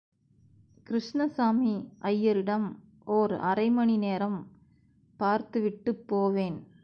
கிருஷ்ணசாமி ஐயரிடம், ஓர் அரைமணி நேரம் பார்த்து விட்டுப்போவேன்!